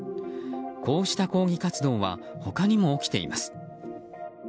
こうした抗議活動は他にも起きています。